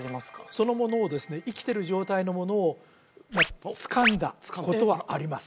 そのものをですね生きてる状態のものをまあつかんだことはあります